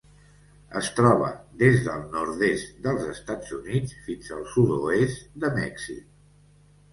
Es troba des del nord-est dels Estats Units fins al sud-oest de Mèxic.